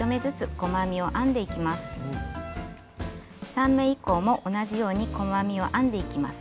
３目以降も同じように細編みを編んでいきます。